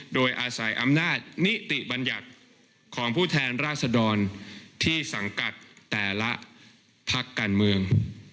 โดยอาศัยอำนาจนิติบัญญัติของผู้แทนราษดรที่สังกัดแต่ละพักการเมือง